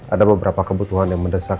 ada beberapa kebutuhan yang mendesak